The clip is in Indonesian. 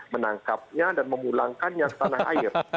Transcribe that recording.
menangkapnya dan memulangkannya ke tanah air